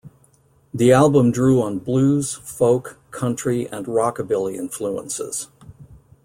The album drew on blues, folk, country and rockabilly influences.